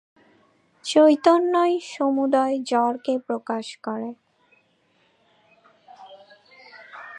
চৈতন্যই সমুদয় জড়কে প্রকাশ করে।